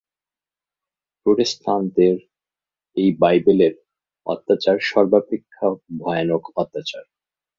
প্রটেস্টাণ্টদের এই বাইবেলের অত্যাচার সর্বাপেক্ষা ভয়ানক অত্যাচার।